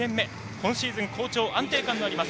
今シーズン好調安定感があります。